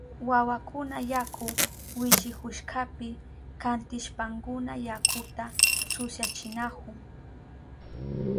Wawakuna yaku wishihushkapi kantishpankuna yakuta susyachinahun.